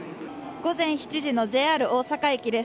午前７時のＪＲ大阪駅です。